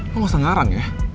lo gak usah ngarang ya